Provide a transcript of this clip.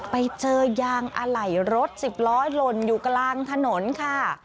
ไปเจอยางอะไหล่รถสิบล้อหล่นอยู่กลางถนนค่ะ